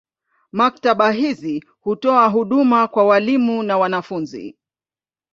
Maktaba hizi hutoa huduma kwa walimu na wanafunzi.